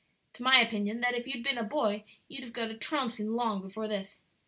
It's my opinion that if you'd been a boy you'd have got a trouncing long before this."